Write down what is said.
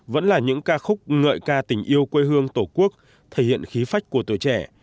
vẫn là những ca khúc ngợi ca tình yêu quê hương tổ quốc thể hiện khí phách của tuổi trẻ